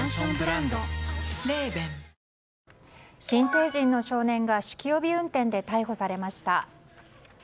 新成人の少年が酒気帯び運転で逮捕されました。